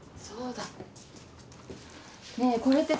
そうだ。ねえ？